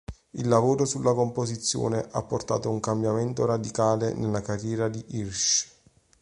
Il lavoro sulla composizione ha portato a un cambiamento radicale nella carriera di Hirsch.